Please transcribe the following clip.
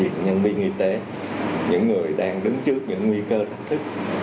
những nhân viên y tế những người đang đứng trước những nguy cơ thách thức